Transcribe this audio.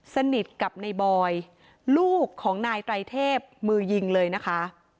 สนิทกับในบอยลูกของนายไตรเทพมือยิงเลยนะคะ